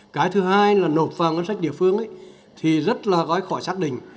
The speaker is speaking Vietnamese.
cái thứ hai là nộp vào ngân sách địa phương thì rất là gói khỏi xác định